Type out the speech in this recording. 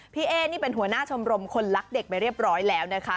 พี่เอ๊นี่เป็นหัวหน้าชมรมคนรักเด็กไปเรียบร้อยแล้วนะคะ